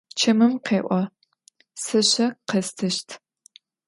Чэмым къеӏо: Сэ щэ къэстыщт.